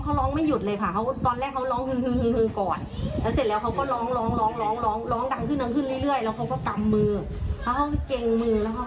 เขาร้องไม่หยุดเลยค่ะตอนแรกเขาร้องฮือก่อน